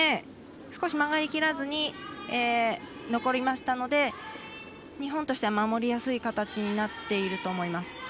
少し曲がりきらずに残りましたので、日本としては守りやすい形になっていると思います。